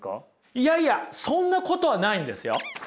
いやいやそんなことはないんですよ。